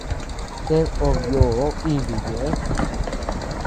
Ted obe yoo iyu ñëʼe.